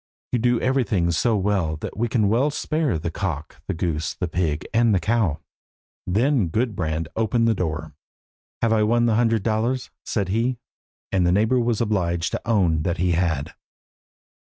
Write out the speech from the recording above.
You do everything so well that we can well spare the cock, the goose, the pig, and the cow." Then Gudbrand opened the door. "Have I won the hundred dollars?" said he, and the neighbour was obliged to own that he had.